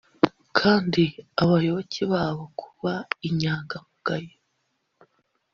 kandi abayoboke babo kuba inyangamugayo